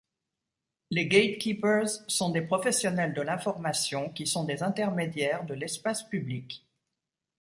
Les Gatekeepers sont des professionnels de l’information qui sont des intermédiaires de l’espace public.